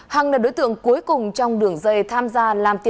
hằng là đối tượng cuối cùng trong đường dây tham gia làm tài lộ